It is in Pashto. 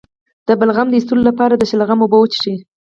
د بلغم د ایستلو لپاره د شلغم اوبه وڅښئ